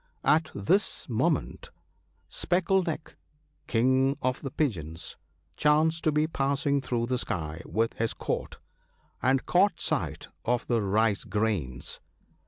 At this moment ' Speckle neck,' King of the Pigeons, chanced to be passing through the sky with his Court, and caught sight of the rice grains.